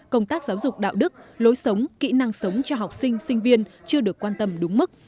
công tác giáo dục đạo đức lối sống kỹ năng sống cho học sinh sinh viên chưa được quan tâm đúng mức